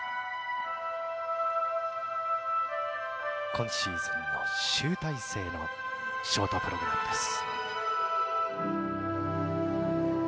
今シーズンの集大成のショートプログラムです。